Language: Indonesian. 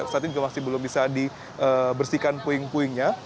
saat ini juga masih belum bisa dibersihkan puing puingnya